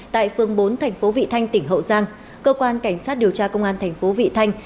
tại phương bốn tp vị thanh tỉnh hậu giang cơ quan cảnh sát điều tra công an tp vị thanh